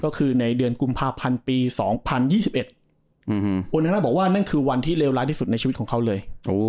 ก็คือในเดือนกุมภาพันธ์ปีสองพันธุ์ยี่สิบเอ็ดอืมอุ๋โอนานาบอกว่านั่นคือวันที่เลวร้ายที่สุดในชีวิตของเขาเลยโอ้